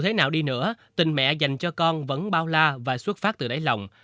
thế nào đi nữa tình mẹ dành cho con vẫn bao la và xuất phát từ đáy lòng